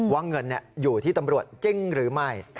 ว่าเงินอยู่ที่ตำรวจจริงหรือไม่